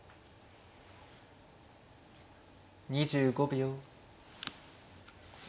２５秒。